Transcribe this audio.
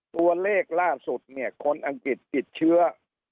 ตัวเลขล่าสุดเนี่ยคนอังกฤษติดเชื้อ